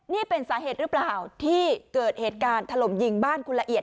นี่เป็นสาเหตุหรือเปล่าที่เกิดเหตุการณ์ถล่มยิงบ้านคุณละเอียด